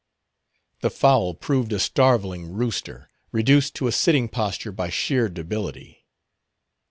The fowl proved a starveling rooster, reduced to a sitting posture by sheer debility.